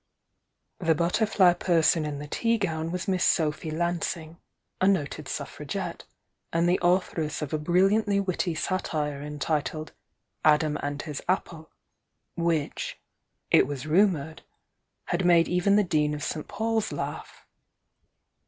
The butterfly person in the tea gown was Miss Sophy Lansing, a noted Suffragette, and the authoress of a briUiantly witty satire entitled "Adam and His Apple," which, it was rumoured, had made even the Dean of St. Paul's laugh.